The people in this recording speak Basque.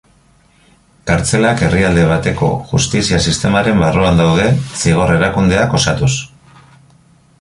Kartzelak herrialde bateko justizia sistemaren barruan daude zigor-erakundeak osatuz.